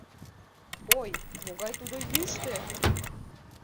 Ой, могай тудо йӱштӧ!